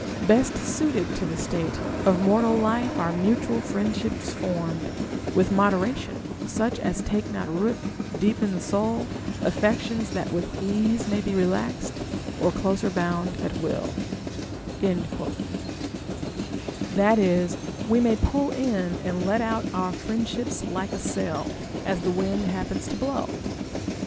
471 Best suited to the state Of mortal life are mutual friendsliips formed With moderation, such as take not root Deep in the soul, affections tliat witli ease May be relaxed, or closer bound at will,* that is, we may pull in and let out our friendships like a sail, as the wind happens to blow.